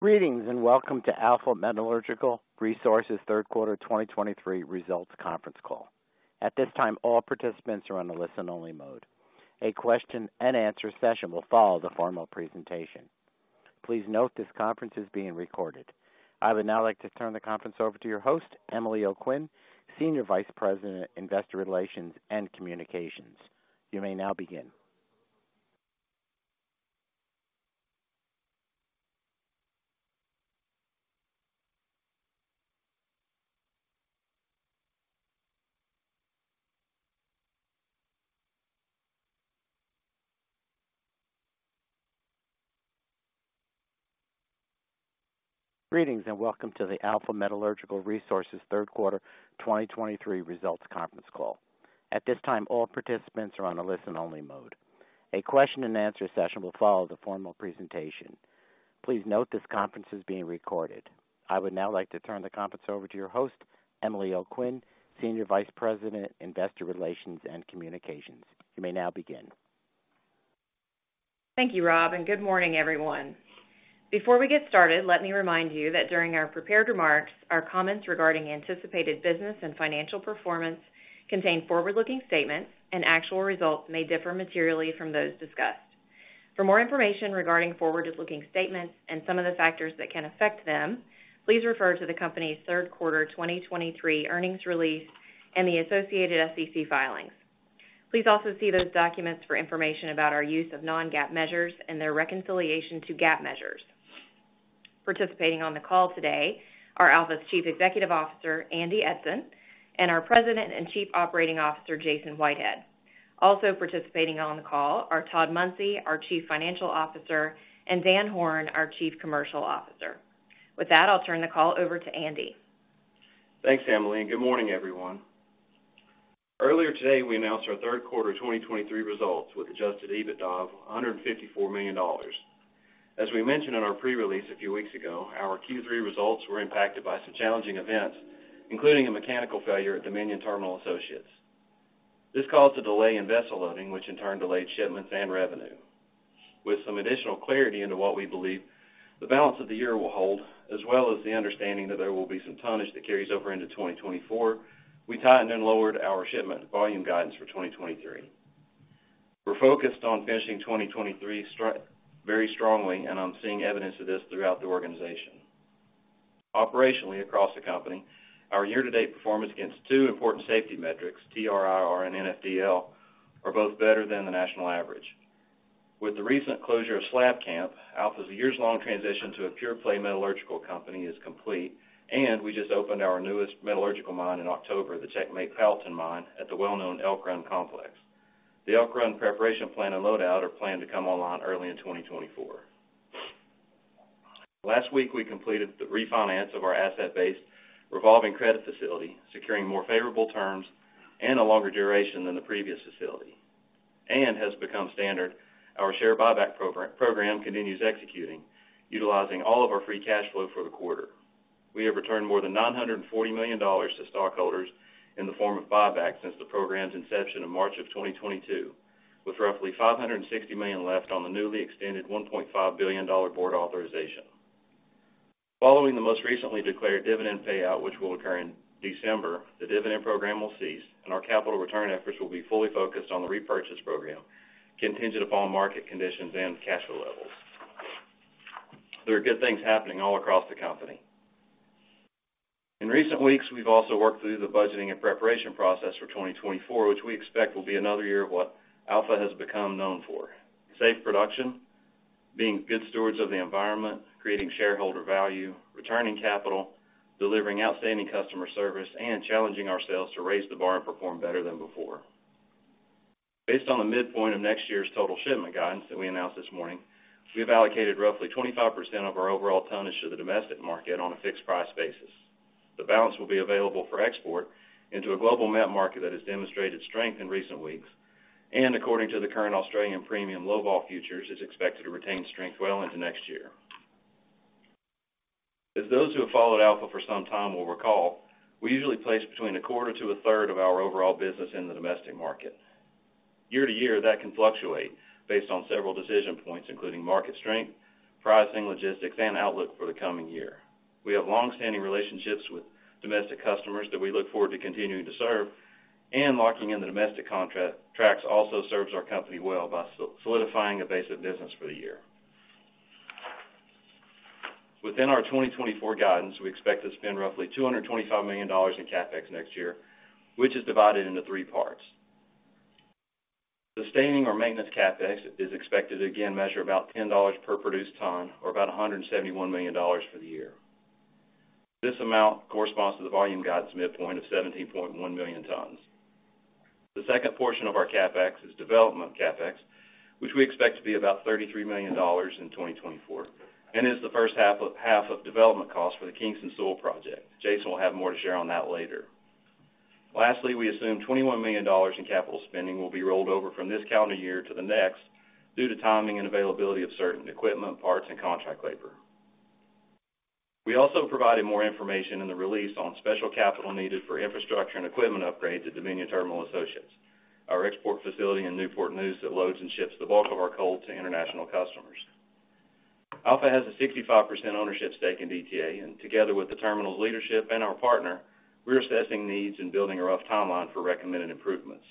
Greetings, and welcome to the Alpha Metallurgical Resources third quarter 2023 results conference call. At this time, all participants are on a listen-only mode. A question-and-answer session will follow the formal presentation. Please note this conference is being recorded. I would now like to turn the conference over to your host, Emily O'Quinn, Senior Vice President, Investor Relations and Communications. You may now begin. Thank you, Rob, and good morning, everyone. Before we get started, let me remind you that during our prepared remarks, our comments regarding anticipated business and financial performance contain forward-looking statements, and actual results may differ materially from those discussed. For more information regarding forward-looking statements and some of the factors that can affect them, please refer to the company's third quarter 2023 earnings release and the associated SEC filings. Please also see those documents for information about our use of non-GAAP measures and their reconciliation to GAAP measures. Participating on the call today are Alpha's Chief Executive Officer, Andy Eidson, and our President and Chief Operating Officer, Jason Whitehead. Also participating on the call are Todd Munsey, our Chief Financial Officer, and Dan Horn, our Chief Commercial Officer. With that, I'll turn the call over to Andy. Thanks, Emily, and good morning, everyone. Earlier today, we announced our third quarter of 2023 results with Adjusted EBITDA of $154 million. As we mentioned in our pre-release a few weeks ago, our Q3 results were impacted by some challenging events, including a mechanical failure at Dominion Terminal Associates. This caused a delay in vessel loading, which in turn delayed shipments and revenue. With some additional clarity into what we believe the balance of the year will hold, as well as the understanding that there will be some tonnage that carries over into 2024, we tightened and lowered our shipment volume guidance for 2023. We're focused on finishing 2023 very strongly, and I'm seeing evidence of this throughout the organization. Operationally, across the company, our year-to-date performance against two important safety metrics, TRIR and NFDL, are both better than the national average. With the recent closure of Slab Camp, Alpha's years-long transition to a pure-play metallurgical company is complete, and we just opened our newest metallurgical mine in October, the Checkmate Powellton mine at the well-known Elk Run Complex. The Elk Run preparation plant and load-out are planned to come online early in 2024. Last week, we completed the refinance of our asset-based revolving credit facility, securing more favorable terms and a longer duration than the previous facility. As has become standard, our share buyback program continues executing, utilizing all of our free cash flow for the quarter. We have returned more than $940 million to stockholders in the form of buybacks since the program's inception in March 2022, with roughly $560 million left on the newly extended $1.5 billion board authorization. Following the most recently declared dividend payout, which will occur in December, the dividend program will cease, and our capital return efforts will be fully focused on the repurchase program, contingent upon market conditions and cash flow levels. There are good things happening all across the company. In recent weeks, we've also worked through the budgeting and preparation process for 2024, which we expect will be another year of what Alpha has become known for: safe production, being good stewards of the environment, creating shareholder value, returning capital, delivering outstanding customer service, and challenging ourselves to raise the bar and perform better than before. Based on the midpoint of next year's total shipment guidance that we announced this morning, we have allocated roughly 25% of our overall tonnage to the domestic market on a fixed-price basis. The balance will be available for export into a global met market that has demonstrated strength in recent weeks, and according to the current Australian Premium Low Vol Futures is expected to retain strength well into next year. As those who have followed Alpha for some time will recall, we usually place between a quarter to a third of our overall business in the domestic market. Year to year, that can fluctuate based on several decision points, including market strength, pricing, logistics, and outlook for the coming year. We have long-standing relationships with domestic customers that we look forward to continuing to serve, and locking in the domestic contracts also serves our company well by solidifying a base of business for the year. Within our 2024 guidance, we expect to spend roughly $225 million in CapEx next year, which is divided into three parts. Sustaining or maintenance CapEx is expected to again measure about $10 per produced ton or about $171 million for the year. This amount corresponds to the volume guidance midpoint of 17.1 million tons. The second portion of our CapEx is development CapEx, which we expect to be about $33 million in 2024, and is the first half of development costs for the Kingston Sewell project. Jason will have more to share on that later. Lastly, we assume $21 million in capital spending will be rolled over from this calendar year to the next due to timing and availability of certain equipment, parts, and contract labor. We also provided more information in the release on special capital needed for infrastructure and equipment upgrades at Dominion Terminal Associates, our export facility in Newport News that loads and ships the bulk of our coal to international customers. Alpha has a 65% ownership stake in DTA, and together with the terminal's leadership and our partner, we're assessing needs and building a rough timeline for recommended improvements.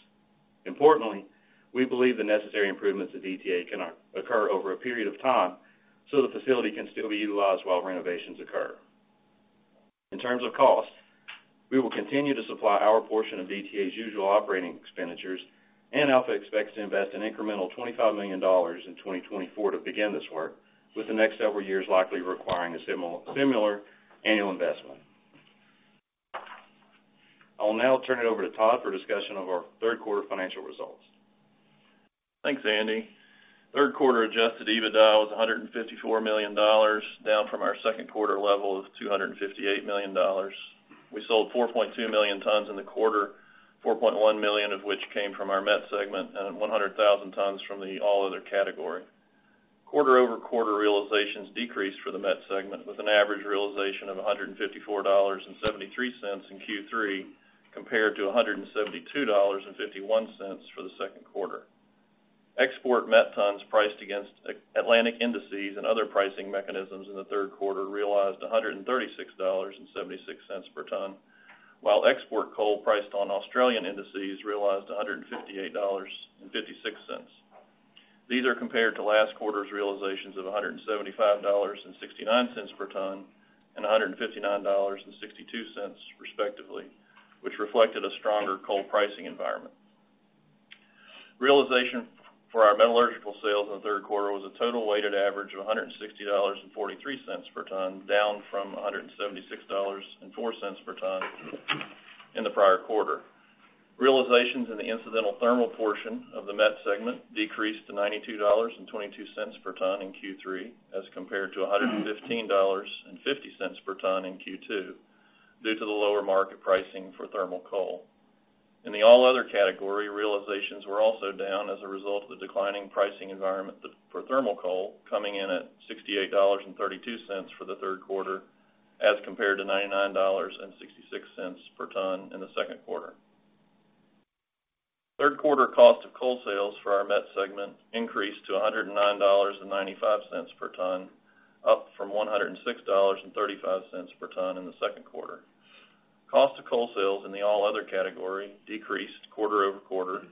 Importantly, we believe the necessary improvements at DTA can occur over a period of time, so the facility can still be utilized while renovations occur. In terms of cost, we will continue to supply our portion of DTA's usual operating expenditures, and Alpha expects to invest an incremental $25 million in 2024 to begin this work, with the next several years likely requiring a similar annual investment. I'll now turn it over to Todd for discussion of our third quarter financial results. Thanks, Andy. Third quarter Adjusted EBITDA was $154 million, down from our second quarter level of $258 million. We sold 4.2 million tons in the quarter, 4.1 million of which came from our Met segment, and 100,000 tons from the all other category. Quarter-over-quarter realizations decreased for the Met segment, with an average realization of $154.73 in Q3, compared to $172.51 for the second quarter. Export met tons priced against Atlantic indices and other pricing mechanisms in the third quarter realized $136.76 per ton, while export coal priced on Australian indices realized $158.56. These are compared to last quarter's realizations of $175.69 per ton, and $159.62, respectively, which reflected a stronger coal pricing environment. Realization for our metallurgical sales in the third quarter was a total weighted average of $160.43 per ton, down from $176.04 per ton in the prior quarter. Realizations in the incidental thermal portion of the Met segment decreased to $92.22 per ton in Q3, as compared to $115.50 per ton in Q2, due to the lower market pricing for thermal coal. In the all other category, realizations were also down as a result of the declining pricing environment for thermal coal, coming in at $68.32 for the third quarter, as compared to $99.66 per ton in the second quarter. Third quarter cost of coal sales for our Met segment increased to $109.95 per ton, up from $106.35 per ton in the second quarter. Cost of coal sales in the all other category decreased quarter-over-quarter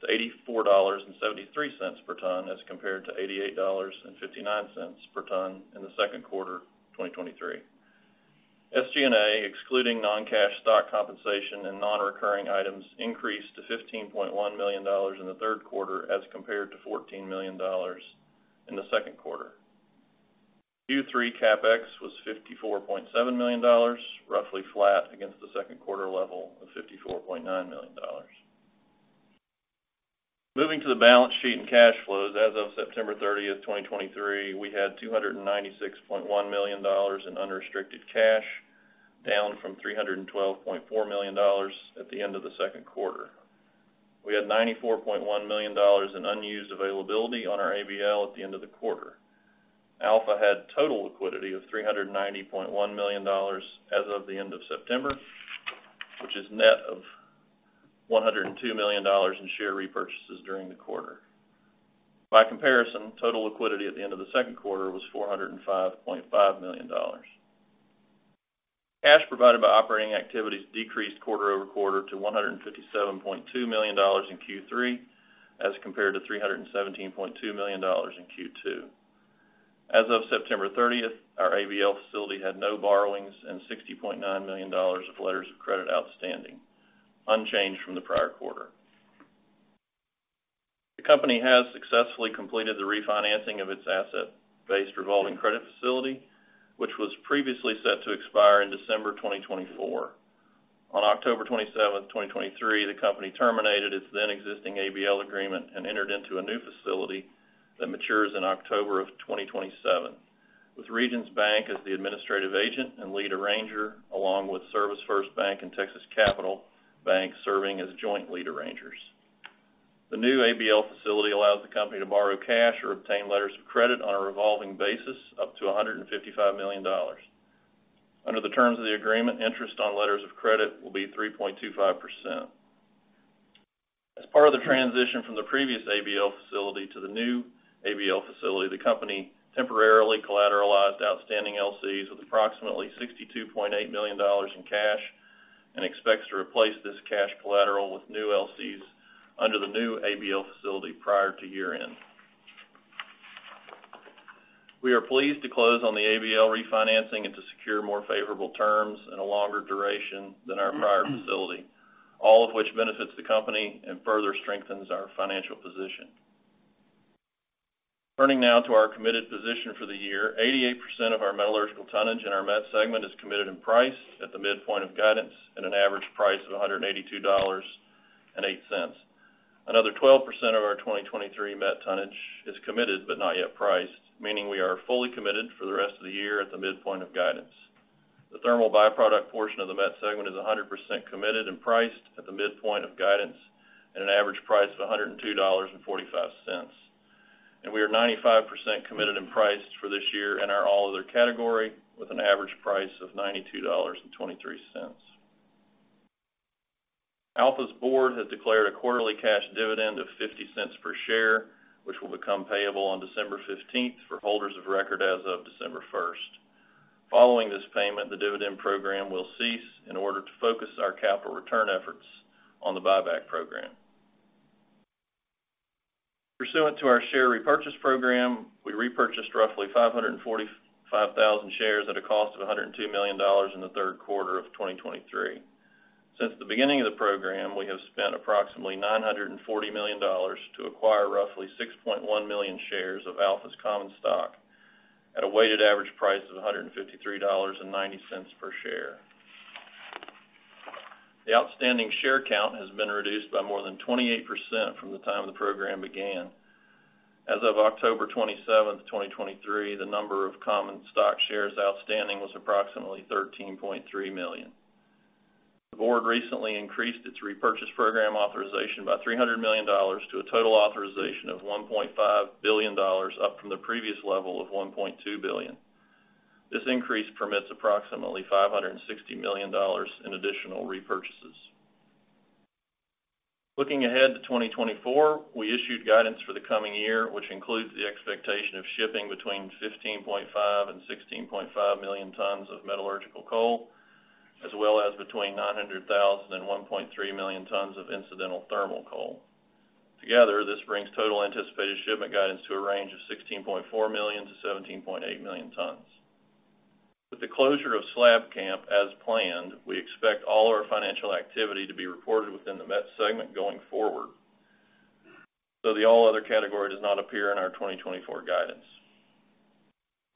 to $84.73 per ton, as compared to $88.59 per ton in the second quarter of 2023. SG&A, excluding non-cash stock compensation and non-recurring items, increased to $15.1 million in the third quarter, as compared to $14 million in the second quarter. Q3 CapEx was $54.7 million, roughly flat against the second quarter level of $54.9 million. Moving to the balance sheet and cash flows. As of September 30, 2023, we had $296.1 million in unrestricted cash, down from $312.4 million at the end of the second quarter. We had $94.1 million in unused availability on our ABL at the end of the quarter. Alpha had total liquidity of $390.1 million as of the end of September, which is net of $102 million in share repurchases during the quarter. By comparison, total liquidity at the end of the second quarter was $405.5 million. Cash provided by operating activities decreased quarter-over-quarter to $157.2 million in Q3, as compared to $317.2 million in Q2. As of September thirtieth, our ABL facility had no borrowings and $60.9 million of letters of credit outstanding, unchanged from the prior quarter. The company has successfully completed the refinancing of its asset-based revolving credit facility, which was previously set to expire in December 2024. On October twenty-seventh, 2023, the company terminated its then existing ABL agreement and entered into a new facility that matures in October 2027, with Regions Bank as the administrative agent and lead arranger, along with ServisFirst Bank and Texas Capital Bank, serving as joint lead arrangers. The new ABL facility allows the company to borrow cash or obtain letters of credit on a revolving basis up to $155 million. Under the terms of the agreement, interest on letters of credit will be 3.25%. As part of the transition from the previous ABL facility to the new ABL facility, the company temporarily collateralized outstanding LCs with approximately $62.8 million in cash and expects to replace this cash collateral with new LCs under the new ABL facility prior to year-end. We are pleased to close on the ABL refinancing and to secure more favorable terms and a longer duration than our prior facility, all of which benefits the company and further strengthens our financial position. Turning now to our committed position for the year. 88% of our metallurgical tonnage in our Met segment is committed in price at the midpoint of guidance at an average price of $182.08. Another 12% of our 2023 met tonnage is committed, but not yet priced, meaning we are fully committed for the rest of the year at the midpoint of guidance. The thermal byproduct portion of the Met segment is 100% committed and priced at the midpoint of guidance at an average price of $102.45, and we are 95% committed in price for this year in our all other category, with an average price of $92.23. Alpha's board has declared a quarterly cash dividend of $0.50 per share, which will become payable on December fifteenth for holders of record as of December first. Following this payment, the dividend program will cease in order to focus our capital return efforts on the buyback program. Pursuant to our share repurchase program, we repurchased roughly 545,000 shares at a cost of $102 million in the third quarter of 2023. Since the beginning of the program, we have spent approximately $940 million to acquire roughly 6.1 million shares of Alpha's common stock at a weighted average price of $153.90 per share. The outstanding share count has been reduced by more than 28% from the time the program began. As of October 27, 2023, the number of common stock shares outstanding was approximately 13.3 million. The board recently increased its repurchase program authorization by $300 million, to a total authorization of $1.5 billion, up from the previous level of $1.2 billion. This increase permits approximately $560 million in additional repurchases. Looking ahead to 2024, we issued guidance for the coming year, which includes the expectation of shipping between 15.5 and 16.5 million tons of metallurgical coal, as well as between 900,000 and 1.3 million tons of incidental thermal coal. Together, this brings total anticipated shipment guidance to a range of 16.4 million-17.8 million tons. With the closure of Slab Camp as planned, we expect all our financial activity to be reported within the Met segment going forward, so the all other category does not appear in our 2024 guidance.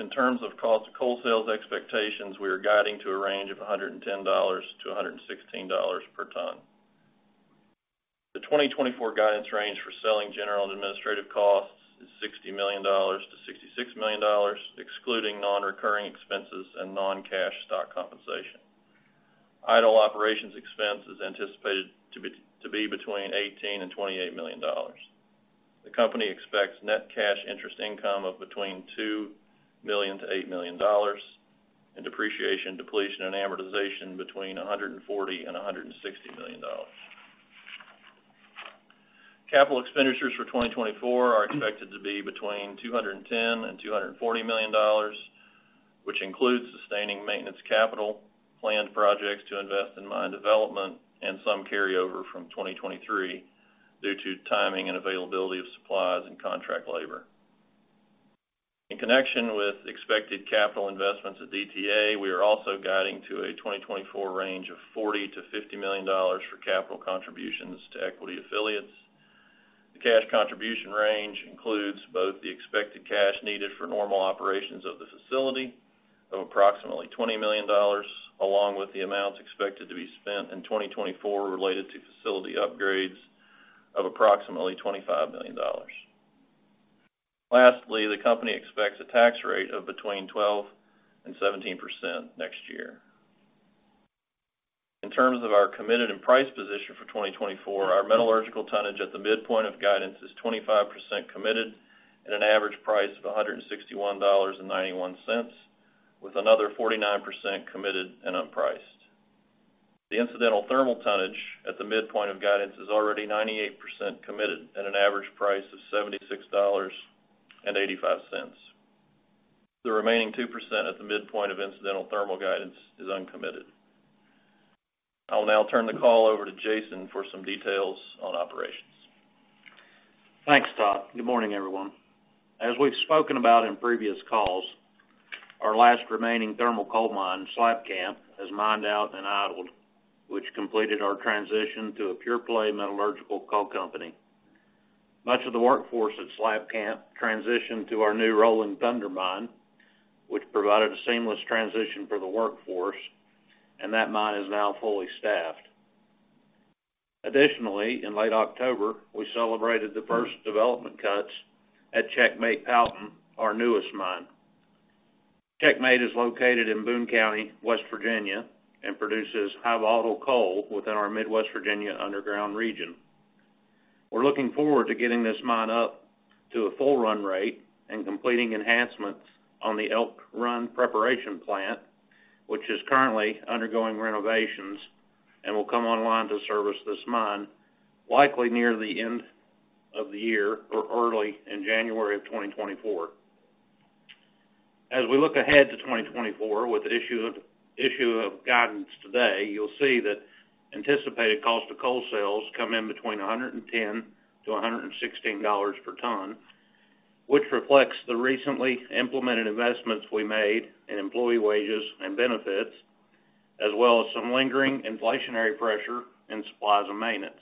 In terms of cost of coal sales expectations, we are guiding to a range of $110-$116 per ton. The 2024 guidance range for selling general and administrative costs is $60 million-$66 million, excluding non-recurring expenses and non-cash stock compensation. Idle operations expense is anticipated to be between $18 million-$28 million. The company expects net cash interest income of between $2 million-$8 million, and depreciation, depletion, and amortization between $140 million-$160 million. Capital expenditures for 2024 are expected to be between $210 million-$240 million, which includes sustaining maintenance capital, planned projects to invest in mine development, and some carryover from 2023 due to timing and availability of supplies and contract labor. In connection with expected capital investments at DTA, we are also guiding to a 2024 range of $40 million-$50 million for capital contributions to equity affiliates. The cash contribution range includes both the expected cash needed for normal operations of the facility of approximately $20 million, along with the amounts expected to be spent in 2024 related to facility upgrades of approximately $25 million. Lastly, the company expects a tax rate of between 12%-17% next year. In terms of our committed and priced position for 2024, our metallurgical tonnage at the midpoint of guidance is 25% committed at an average price of $161.91, with another 49% committed and unpriced. The incidental thermal tonnage at the midpoint of guidance is already 98% committed at an average price of $76.85. The remaining 2% at the midpoint of incidental thermal guidance is uncommitted. I'll now turn the call over to Jason for some details on operations. Thanks, Todd. Good morning, everyone. As we've spoken about in previous calls, our last remaining thermal coal mine, Slab Camp, has mined out and idled, which completed our transition to a pure-play metallurgical coal company. Much of the workforce at Slab Camp transitioned to our new Rolling Thunder mine, which provided a seamless transition for the workforce, and that mine is now fully staffed. Additionally, in late October, we celebrated the first development cuts at Checkmate Powellton, our newest mine. Checkmate is located in Boone County, West Virginia, and produces high volatile coal within our Mid-Vol Virginia underground region. We're looking forward to getting this mine up to a full run rate and completing enhancements on the Elk Run preparation plant, which is currently undergoing renovations and will come online to service this mine, likely near the end of the year or early in January of 2024. As we look ahead to 2024 with the issue of, issue of guidance today, you'll see that anticipated cost of coal sales come in between $110-$116 per ton, which reflects the recently implemented investments we made in an employee wages and benefits, as well as some lingering inflationary pressure in supplies and maintenance.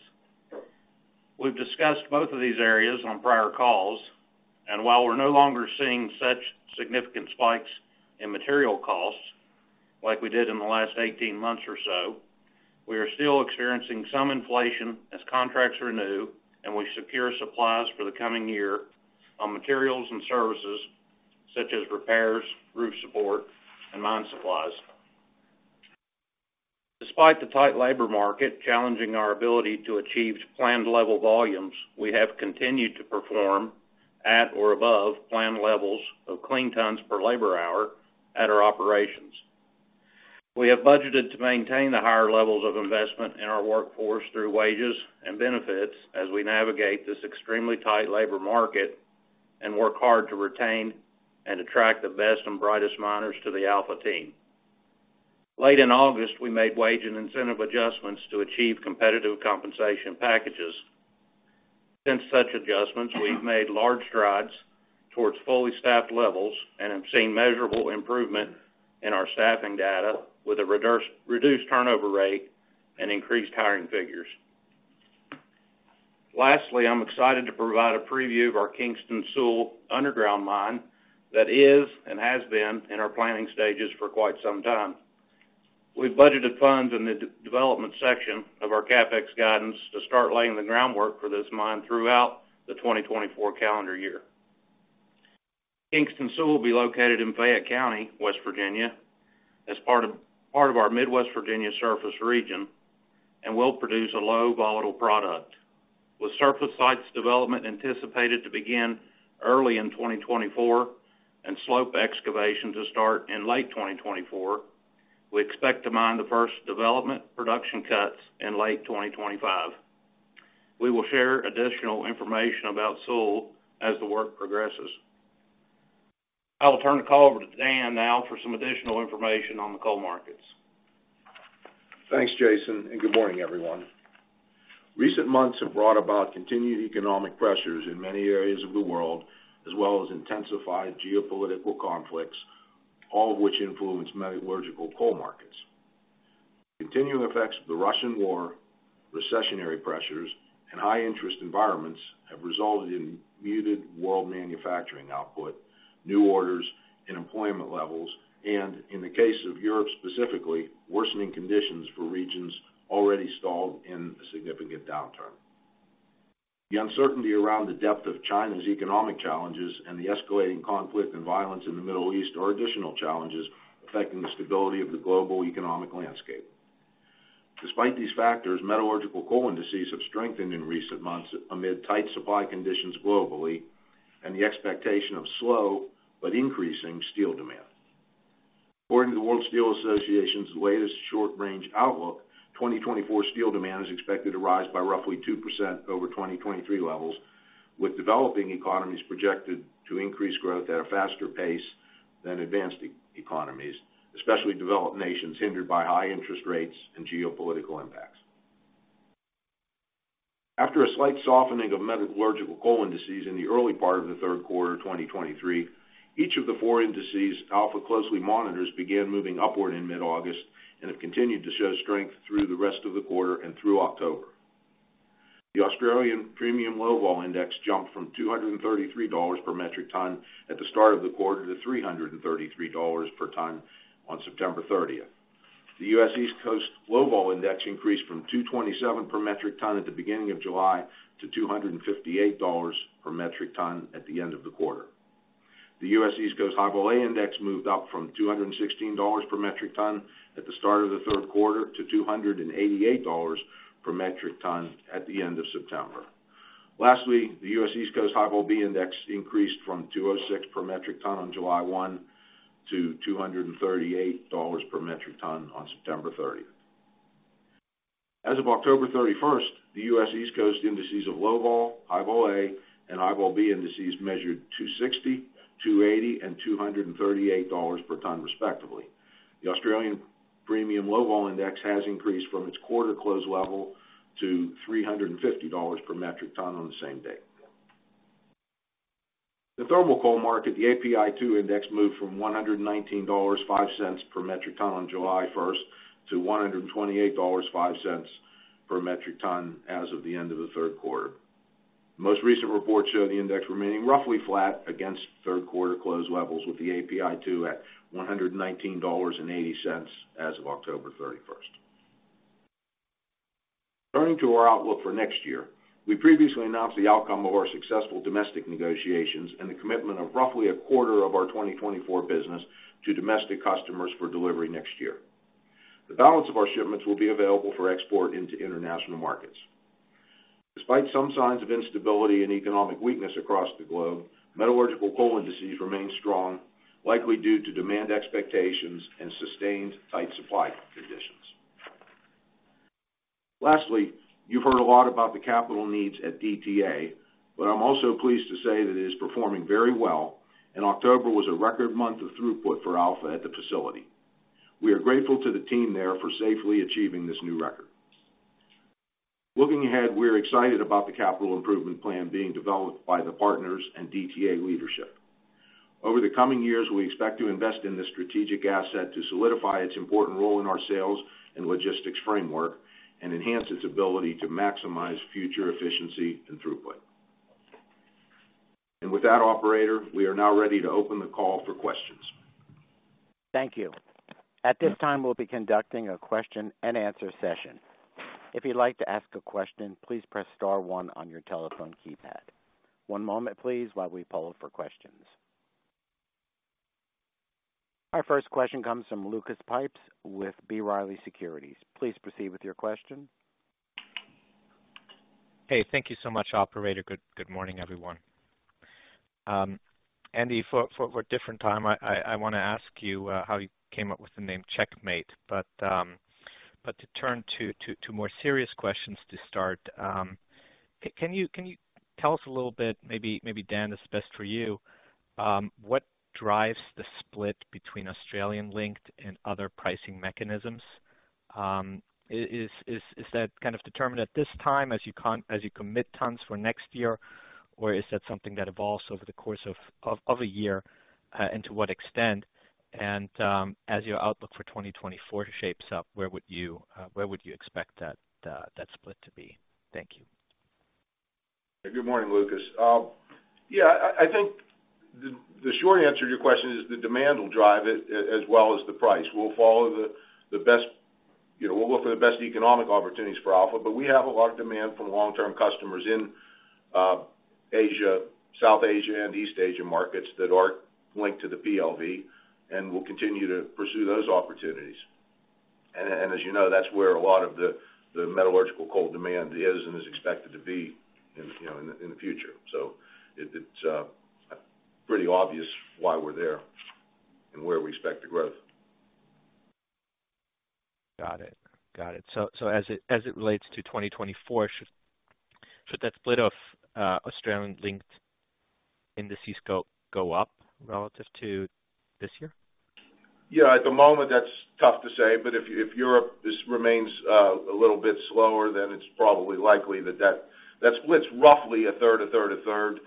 We've discussed both of these areas on prior calls, and while we're no longer seeing such significant spikes in material costs like we did in the last 18 months or so, we are still experiencing some inflation as contracts renew, and we secure supplies for the coming year on materials and services such as repairs, roof support, and mine supplies. Despite the tight labor market challenging our ability to achieve planned level volumes, we have continued to perform at or above planned levels of clean tons per labor hour at our operations. We have budgeted to maintain the higher levels of investment in our workforce through wages and benefits as we navigate this extremely tight labor market and work hard to retain and attract the best and brightest miners to the Alpha team. Late in August, we made wage and incentive adjustments to achieve competitive compensation packages. Since such adjustments, we've made large strides towards fully staffed levels and have seen measurable improvement in our staffing data with a reduced turnover rate and increased hiring figures. Lastly, I'm excited to provide a preview of our Kingston Sewell underground mine that is, and has been, in our planning stages for quite some time. We've budgeted funds in the development section of our CapEx guidance to start laying the groundwork for this mine throughout the 2024 calendar year. Kingston Sewell will be located in Fayette County, West Virginia, as part of our Mid-Vol Virginia surface region, and will produce a low volatile product. With surface sites development anticipated to begin early in 2024 and slope excavation to start in late 2024, we expect to mine the first development production cuts in late 2025. We will share additional information about Sewell as the work progresses. I will turn the call over to Dan now for some additional information on the coal markets. Thanks, Jason, and good morning, everyone. Recent months have brought about continued economic pressures in many areas of the world, as well as intensified geopolitical conflicts, all of which influence metallurgical coal markets. Continuing effects of the Russian War, recessionary pressures, and high interest environments have resulted in muted world manufacturing output, new orders and employment levels, and in the case of Europe, specifically, worsening conditions for regions already stalled in a significant downturn. The uncertainty around the depth of China's economic challenges and the escalating conflict and violence in the Middle East are additional challenges affecting the stability of the global economic landscape. Despite these factors, metallurgical coal indices have strengthened in recent months amid tight supply conditions globally and the expectation of slow, but increasing steel demand. According to the World Steel Association's latest short-range outlook, 2024 steel demand is expected to rise by roughly 2% over 2023 levels, with developing economies projected to increase growth at a faster pace than advanced economies, especially developed nations hindered by high interest rates and geopolitical impacts. After a slight softening of metallurgical coal indices in the early part of the third quarter 2023, each of the four indices Alpha closely monitors began moving upward in mid-August and have continued to show strength through the rest of the quarter and through October. The Australian Premium Low Vol index jumped from $233 per metric ton at the start of the quarter to $333 per ton on September 30. The U.S. East Coast Low Vol index increased from $227 per metric ton at the beginning of July to $258 per metric ton at the end of the quarter. The U.S. East Coast High Vol A index moved up from $216 per metric ton at the start of the third quarter to $288 per metric ton at the end of September. Lastly, the U.S. East Coast High Vol B index increased from $206 per metric ton on July 1 to $238 per metric ton on September 30th. As of October 31st, the U.S. East Coast indices of Low Vol, High Vol A, and High Vol B indices measured $260, $280, and $238 per ton, respectively. The Australian Premium Low Vol index has increased from its quarter close level to $350 per metric ton on the same day. The thermal coal market, the API2 index, moved from $119.05 per metric ton on July 1 to $128.05 per metric ton as of the end of the third quarter. Most recent reports show the index remaining roughly flat against third quarter close levels, with the API2 at $119.80 as of October 31. Turning to our outlook for next year, we previously announced the outcome of our successful domestic negotiations and the commitment of roughly a quarter of our 2024 business to domestic customers for delivery next year. The balance of our shipments will be available for export into international markets. Despite some signs of instability and economic weakness across the globe, metallurgical coal indices remain strong, likely due to demand expectations and sustained tight supply conditions. Lastly, you've heard a lot about the capital needs at DTA, but I'm also pleased to say that it is performing very well, and October was a record month of throughput for Alpha at the facility. We are grateful to the team there for safely achieving this new record. Looking ahead, we're excited about the capital improvement plan being developed by the partners and DTA leadership. Over the coming years, we expect to invest in this strategic asset to solidify its important role in our sales and logistics framework and enhance its ability to maximize future efficiency and throughput. With that, operator, we are now ready to open the call for questions. Thank you. At this time, we'll be conducting a question and answer session. If you'd like to ask a question, please press star one on your telephone keypad. One moment, please, while we poll for questions. Our first question comes from Lucas Pipes with B. Riley Securities. Please proceed with your question. Hey, thank you so much, operator. Good morning, everyone. Andy, for a different time, I wanna ask you how you came up with the name Checkmate, but to turn to more serious questions to start, can you tell us a little bit, maybe Dan, it's best for you, what drives the split between Australian-linked and other pricing mechanisms? Is that kind of determined at this time as you commit tons for next year, or is that something that evolves over the course of a year, and to what extent? And as your outlook for 2024 shapes up, where would you expect that split to be? Thank you. Good morning, Lucas. Yeah, I think the short answer to your question is the demand will drive it, as well as the price. We'll follow the best—you know, we'll look for the best economic opportunities for Alpha, but we have a lot of demand from long-term customers in Asia, South Asia, and East Asia markets that are linked to the PLV, and we'll continue to pursue those opportunities. And as you know, that's where a lot of the metallurgical coal demand is and is expected to be in the future. So it's pretty obvious why we're there and where we expect to growth. Got it. Got it. So as it relates to 2024, should that split of Australian-linked indices go up relative to this year? Yeah, at the moment, that's tough to say. But if Europe remains a little bit slower, then it's probably likely that that splits roughly a third, a third, a third.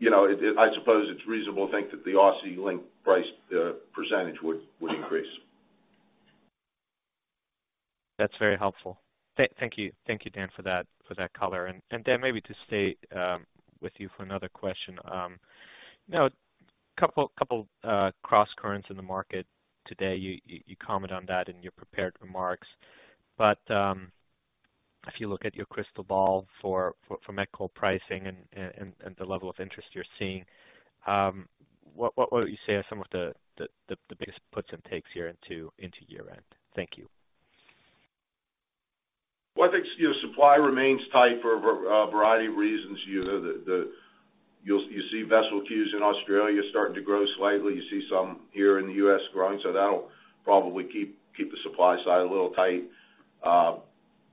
You know, I suppose it's reasonable to think that the Aussie-linked price percentage would increase. That's very helpful. Thank you. Thank you, Dan, for that, for that color. And Dan, maybe to stay with you for another question. Now, a couple crosscurrents in the market today, you comment on that in your prepared remarks. But if you look at your crystal ball for met coal pricing and the level of interest you're seeing, what would you say are some of the biggest puts and takes here into year-end? Thank you. Well, I think, you know, supply remains tight for a variety of reasons. You know, you'll see vessel queues in Australia starting to grow slightly. You see some here in the U.S. growing, so that'll probably keep the supply side a little tight.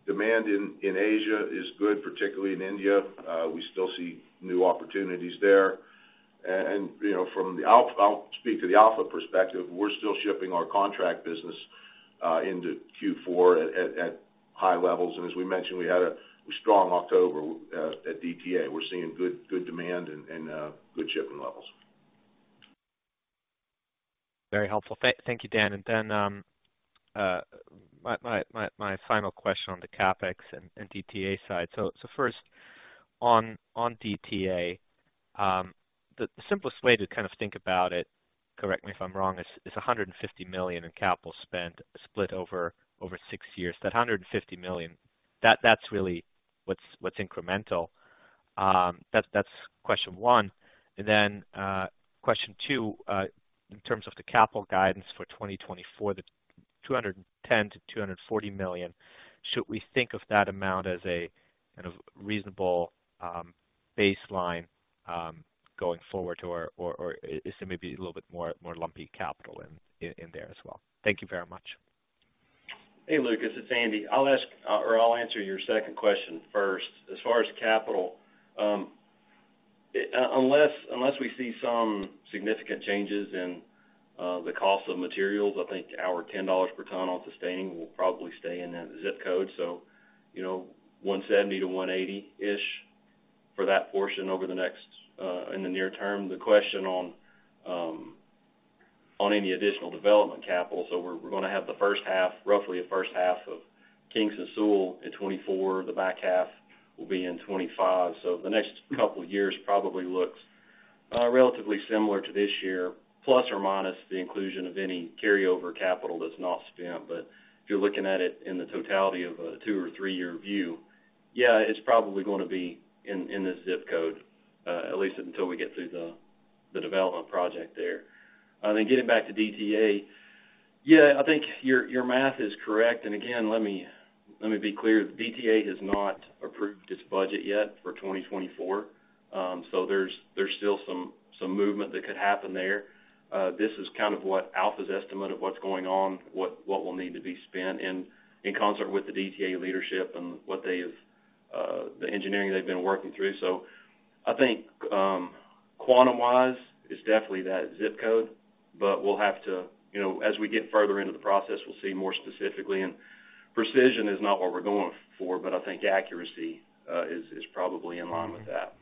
Demand in Asia is good, particularly in India. We still see new opportunities there. And, you know, from the Alpha perspective. We're still shipping our contract business into Q4 at high levels. And as we mentioned, we had a strong October at DTA. We're seeing good demand and good shipping levels. Very helpful. Thank you, Dan. And then my final question on the CapEx and DTA side. So first, on DTA, the simplest way to kind of think about it, correct me if I'm wrong, is $150 million in capital spend split over six years. That $150 million, that's really what's incremental. That's question one. And then question two, in terms of the capital guidance for 2024, the $210 million-$240 million, should we think of that amount as a kind of reasonable baseline going forward, or is it maybe a little bit more lumpy capital in there as well? Thank you very much. Hey, Lucas, it's Andy. I'll ask or I'll answer your second question first. As far as capital, unless we see some significant changes in the cost of materials, I think our $10 per ton on sustaining will probably stay in that ZIP code. So, you know, $170-$180-ish for that portion over the next in the near term. The question on any additional development capital, so we're gonna have the first half, roughly the first half of Kingston Sewell in 2024. The back half will be in 2025. So the next couple of years probably looks relatively similar to this year, plus or minus the inclusion of any carryover capital that's not spent. But if you're looking at it in the totality of a two or three-year view, yeah, it's probably gonna be in this zip code at least until we get through the development project there. Then getting back to DTA, yeah, I think your math is correct. And again, let me be clear. DTA has not approved its budget yet for 2024, so there's still some movement that could happen there. This is kind of what Alpha's estimate of what's going on, what will need to be spent in concert with the DTA leadership and what they the engineering they've been working through. So I think quantum-wise, it's definitely that zip code, but we'll have to... You know, as we get further into the process, we'll see more specifically, and precision is not what we're going for, but I think accuracy is probably in line with that.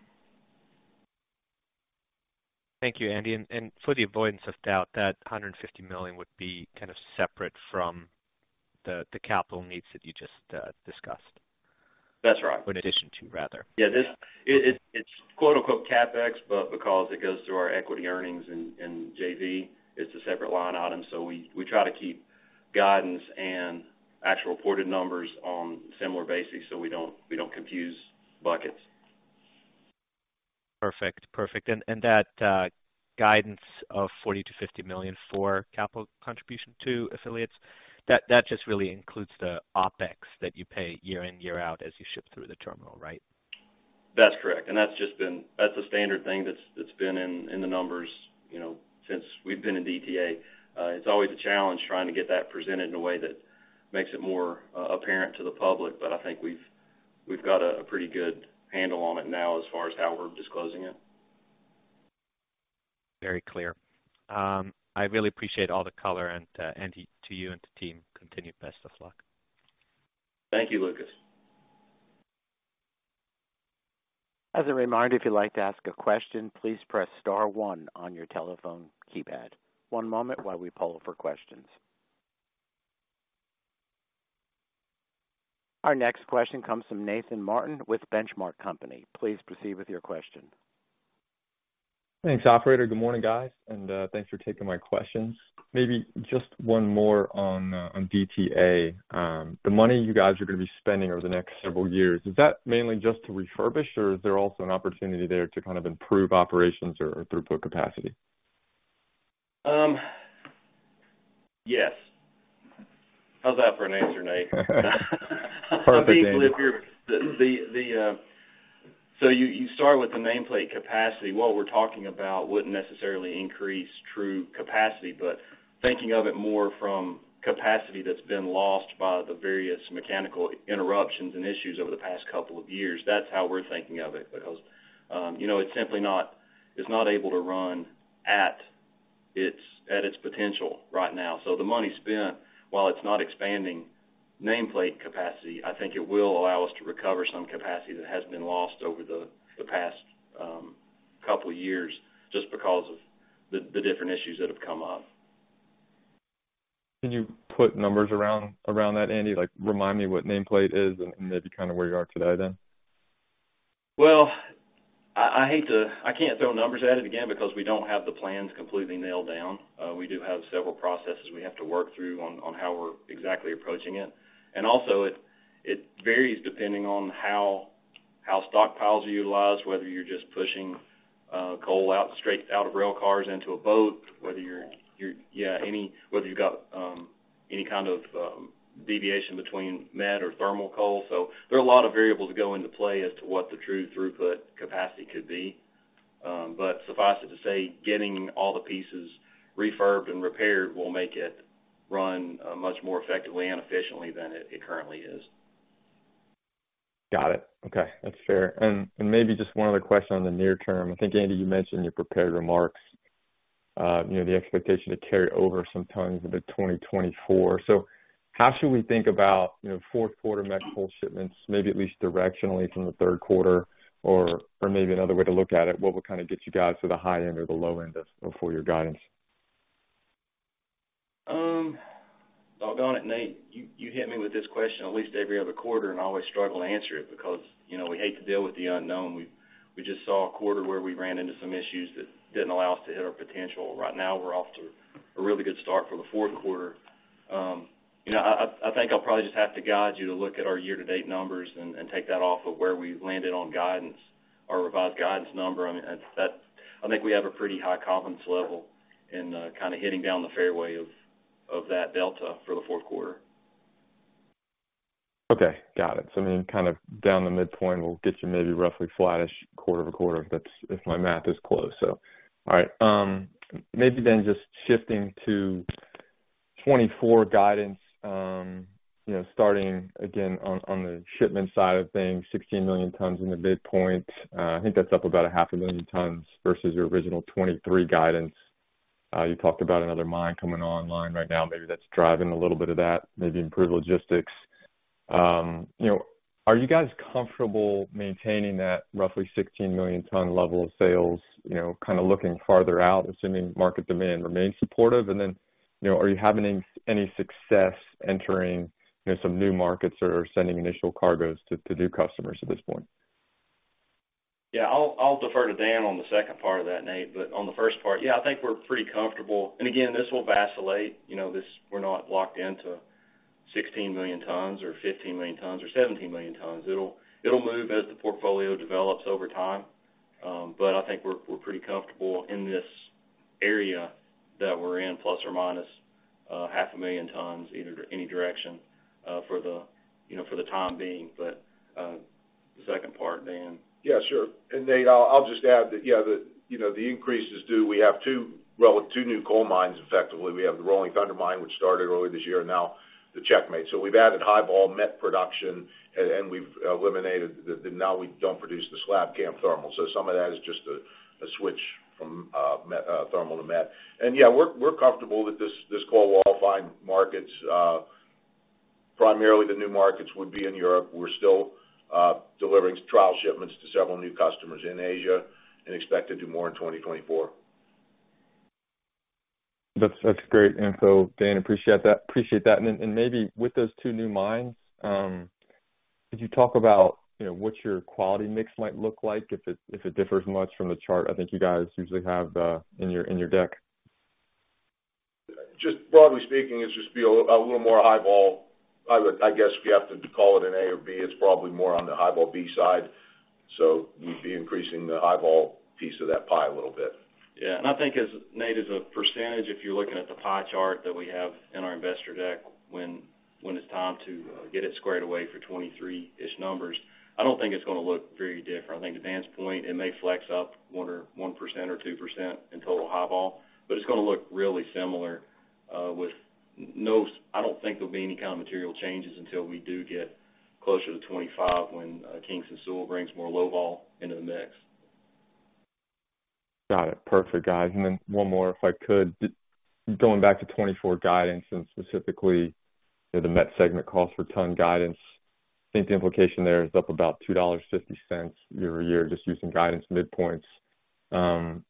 Thank you, Andy. For the avoidance of doubt, that $150 million would be kind of separate from the capital needs that you just discussed? That's right. Or in addition to, rather. Yeah, this—it's quote, unquote, "CapEx," but because it goes through our equity earnings in JV, it's a separate line item. So we try to keep guidance and actual reported numbers on similar bases, so we don't confuse buckets.... Perfect. Perfect. And, and that guidance of $40 million-$50 million for capital contribution to affiliates, that, that just really includes the OpEx that you pay year in, year out as you ship through the terminal, right? That's correct. And that's just been a standard thing that's been in the numbers, you know, since we've been in DTA. It's always a challenge trying to get that presented in a way that makes it more apparent to the public, but I think we've got a pretty good handle on it now as far as how we're disclosing it. Very clear. I really appreciate all the color and, Andy, to you and the team, continued best of luck. Thank you, Lucas. As a reminder, if you'd like to ask a question, please press star one on your telephone keypad. One moment while we poll for questions. Our next question comes from Nathan Martin with Benchmark Company. Please proceed with your question. Thanks, operator. Good morning, guys, and thanks for taking my questions. Maybe just one more on, on DTA. The money you guys are going to be spending over the next several years, is that mainly just to refurbish, or is there also an opportunity there to kind of improve operations or throughput capacity? Yes. How's that for an answer, Nate? Perfect, Andy. I mean, look, here, the... So you start with the nameplate capacity. What we're talking about wouldn't necessarily increase true capacity, but thinking of it more from capacity that's been lost by the various mechanical interruptions and issues over the past couple of years, that's how we're thinking of it. Because, you know, it's simply not, it's not able to run at its potential right now. So the money spent, while it's not expanding nameplate capacity, I think it will allow us to recover some capacity that has been lost over the past couple of years, just because of the different issues that have come up. Can you put numbers around that, Andy? Like, remind me what nameplate is and maybe kind of where you are today then. Well, I hate to—I can't throw numbers at it again, because we don't have the plans completely nailed down. We do have several processes we have to work through on how we're exactly approaching it. And also, it varies depending on how stockpiles are utilized, whether you're just pushing coal straight out of rail cars into a boat, whether you've got any kind of deviation between met or thermal coal. So there are a lot of variables that go into play as to what the true throughput capacity could be. But suffice it to say, getting all the pieces refurbed and repaired will make it run much more effectively and efficiently than it currently is. Got it. Okay, that's fair. And, and maybe just one other question on the near term. I think, Andy, you mentioned in your prepared remarks, you know, the expectation to carry over some tons into 2024. So how should we think about, you know, fourth quarter met coal shipments, maybe at least directionally from the third quarter, or, or maybe another way to look at it, what would kind of get you guys to the high end or the low end of, of full year guidance? Doggone it, Nate. You hit me with this question at least every other quarter, and I always struggle to answer it because, you know, we hate to deal with the unknown. We just saw a quarter where we ran into some issues that didn't allow us to hit our potential. Right now, we're off to a really good start for the fourth quarter. You know, I think I'll probably just have to guide you to look at our year-to-date numbers and take that off of where we landed on guidance or revised guidance number. I mean, that's. I think we have a pretty high confidence level in kind of hitting down the fairway of that delta for the fourth quarter. Okay, got it. So I mean, kind of down the midpoint will get you maybe roughly flattish quarter-over-quarter, if that's, if my math is close. So all right. Maybe then just shifting to 2024 guidance, you know, starting again on the shipment side of things, 16 million tons in the midpoint. I think that's up about 500,000 tons versus your original 2023 guidance. You talked about another mine coming online right now. Maybe that's driving a little bit of that, maybe improved logistics. You know, are you guys comfortable maintaining that roughly 16 million ton level of sales, you know, kind of looking farther out, assuming market demand remains supportive? And then, you know, are you having any success entering, you know, some new markets or sending initial cargoes to new customers at this point? Yeah, I'll defer to Dan on the second part of that, Nate. But on the first part, yeah, I think we're pretty comfortable. And again, this will vacillate. You know, this, we're not locked into 16 million tons or 15 million tons or 17 million tons. It'll move as the portfolio develops over time. But I think we're pretty comfortable in this area that we're in, ±0.5 million tons, either any direction, for the, you know, for the time being. But the second part, Dan. Yeah, sure. And Nate, I'll just add that, yeah, the, you know, the increase is due. We have two, well, two new coal mines. Effectively, we have the Rolling Thunder mine, which started earlier this year, and now the Checkmate. So we've added high-wall met production, and we've eliminated the—now we don't produce the Slab Camp thermal. So some of that is just a switch from met thermal to met. And yeah, we're comfortable that this coal will all find markets. Primarily, the new markets would be in Europe. We're still delivering trial shipments to several new customers in Asia and expect to do more in 2024. That's, that's great info, Dan. Appreciate that. Appreciate that. And then, and maybe with those two new mines, could you talk about, you know, what your quality mix might look like, if it, if it differs much from the chart I think you guys usually have, in your, in your deck?... Just broadly speaking, it's just a little more High Vol. I would, I guess, if you have to call it an A or B, it's probably more on the High Vol B side, so we'd be increasing the High Vol piece of that pie a little bit. Yeah, and I think as Nate, as a percentage, if you're looking at the pie chart that we have in our investor deck, when it's time to get it squared away for 2023-ish numbers, I don't think it's gonna look very different. I think to Dan's point, it may flex up 1%-2% in total high vol, but it's gonna look really similar. I don't think there'll be any kind of material changes until we do get closer to 2025, when Kingston brings more low vol into the mix. Got it. Perfect, guys. And then one more, if I could. Just going back to 2024 guidance and specifically, you know, the Met segment cost per ton guidance. I think the implication there is up about $2.50 year-over-year, just using guidance midpoints.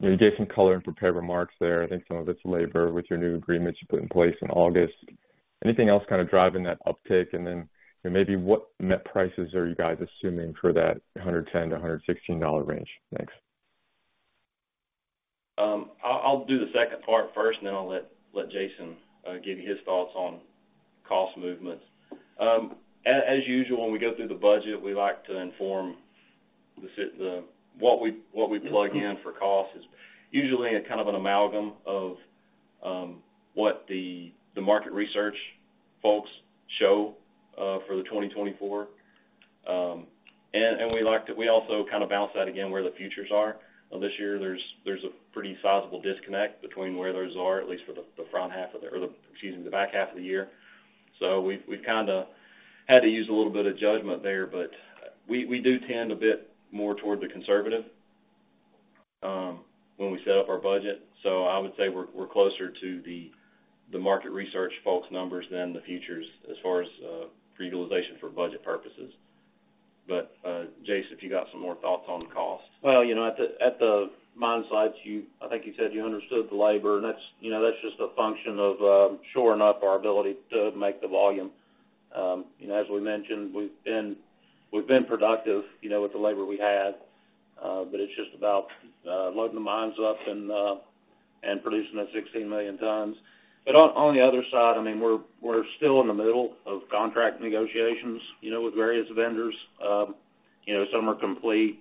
You gave some color and prepared remarks there. I think some of it's labor with your new agreements you put in place in August. Anything else kind of driving that uptick? And then, you know, maybe what net prices are you guys assuming for that $110-$116 range? Thanks. I'll do the second part first, and then I'll let Jason give you his thoughts on cost movements. As usual, when we go through the budget, what we plug in for costs is usually a kind of an amalgam of what the market research folks show for 2024. And we also kind of balance out again, where the futures are. This year, there's a pretty sizable disconnect between where those are, at least for the front half of the year, or excuse me, the back half of the year. So we've kind of had to use a little bit of judgment there, but we do tend a bit more toward the conservative when we set up our budget. So I would say we're closer to the market research folks' numbers than the futures as far as utilization for budget purposes. But, Jason, if you got some more thoughts on costs. Well, you know, at the mine sites, you—I think you said you understood the labor, and that's, you know, that's just a function of shoring up our ability to make the volume. You know, as we mentioned, we've been productive, you know, with the labor we had, but it's just about loading the mines up and producing that 16 million tons. But on the other side, I mean, we're still in the middle of contract negotiations, you know, with various vendors. You know, some are complete,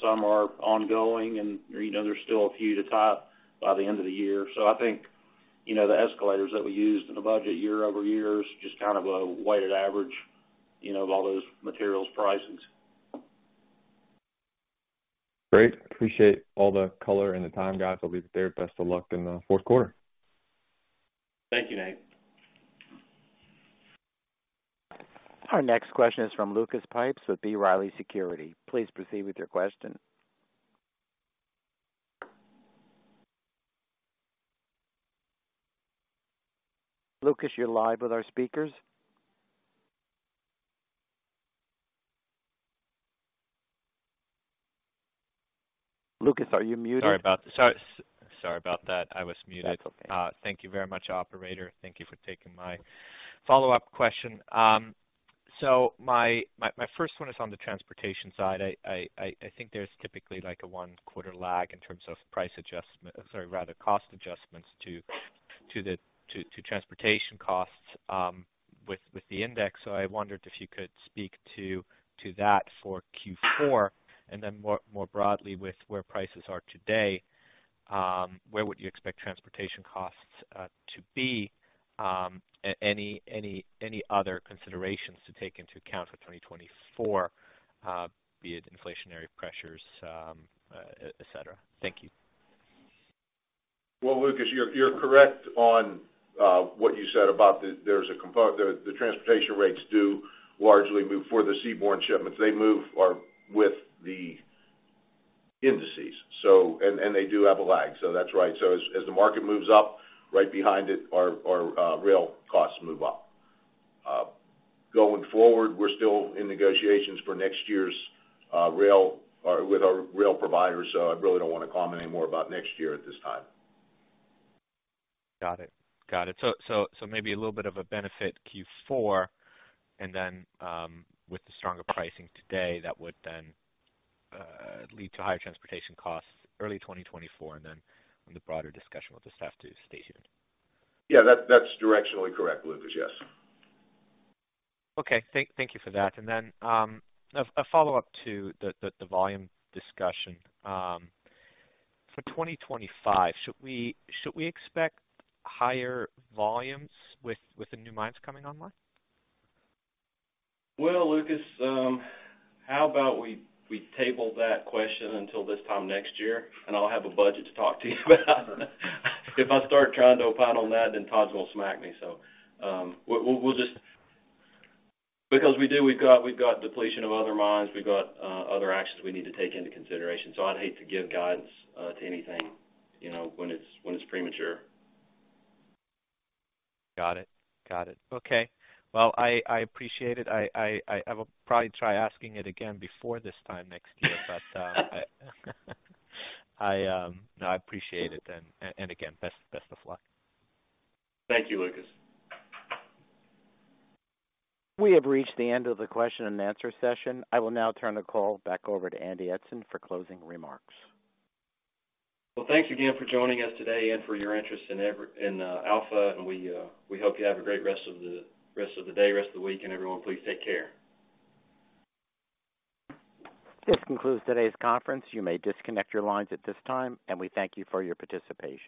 some are ongoing, and, you know, there's still a few to top by the end of the year. So I think, you know, the escalators that we used in the budget year-over-year is just kind of a weighted average, you know, of all those materials prices. Great. Appreciate all the color and the time, guys. I'll leave it there. Best of luck in the fourth quarter. Thank you, Nate. Our next question is from Lucas Pipes with B. Riley Securities. Please proceed with your question. Lucas, you're live with our speakers. Lucas, are you muted? Sorry about that. Sorry, sorry about that. I was muted. That's okay. Thank you very much, operator. Thank you for taking my follow-up question. So my first one is on the transportation side. I think there's typically, like, a one-quarter lag in terms of price adjustment, sorry, rather, cost adjustments to the transportation costs, with the index. So I wondered if you could speak to that for Q4, and then more broadly with where prices are today, where would you expect transportation costs to be? Any other considerations to take into account for 2024, be it inflationary pressures, et cetera? Thank you. Well, Lucas, you're correct on what you said about the transportation rates. They do largely move for the seaborne shipments. They move with the indices, so and they do have a lag, so that's right. So as the market moves up, right behind it, our rail costs move up. Going forward, we're still in negotiations for next year's rail or with our rail providers, so I really don't want to comment any more about next year at this time. Got it. Got it. So, maybe a little bit of a benefit Q4, and then, with the stronger pricing today, that would then lead to higher transportation costs early 2024, and then on the broader discussion, we'll just have to stay tuned. Yeah, that, that's directionally correct, Lucas. Yes. Okay. Thank you for that. And then, a follow-up to the volume discussion. For 2025, should we expect higher volumes with the new mines coming online? Well, Lucas, how about we table that question until this time next year, and I'll have a budget to talk to you about? If I start trying to opine on that, then Todd's gonna smack me, so, we'll just... Because we do, we've got depletion of other mines, we've got other actions we need to take into consideration, so I'd hate to give guidance to anything, you know, when it's premature. Got it. Got it. Okay. Well, I appreciate it. I will probably try asking it again before this time next year, but, I appreciate it, and again, best of luck. Thank you, Lucas. We have reached the end of the question and answer session. I will now turn the call back over to Andy Eidson for closing remarks. Well, thank you again for joining us today and for your interest in Alpha, and we hope you have a great rest of the day, rest of the week, and everyone, please take care. This concludes today's conference. You may disconnect your lines at this time, and we thank you for your participation.